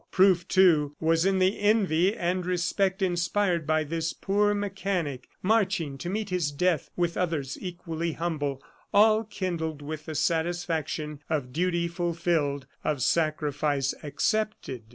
Proof, too, was in the envy and respect inspired by this poor mechanic marching to meet his death with others equally humble, all kindled with the satisfaction of duty fulfilled, of sacrifice accepted.